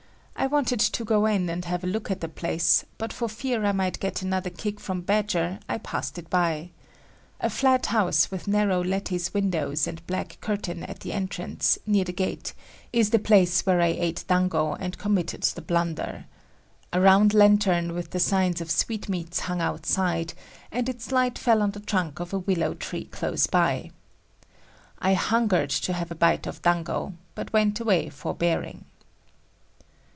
I wanted to go in and have a look at the place, but for fear I might get another kick from Badger, I passed it by. A flat house with narrow lattice windows and black curtain at the entrance, near the gate, is the place where I ate dango and committed the blunder. A round lantern with the signs of sweet meats hung outside and its light fell on the trunk of a willow tree close by. I hungered to have a bite of dango, but went away forbearing.